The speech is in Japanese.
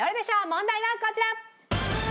問題はこちら。